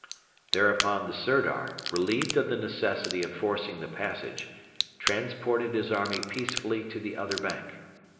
Thereupon the Sirdar, relieved of the necessity of forcing the passage, transported his army peacefully to the other bank.